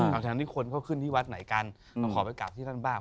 ดังที่คนเข้าขึ้นที่วัดไหนกันเราขอไปกราบที่นั่นบ้าง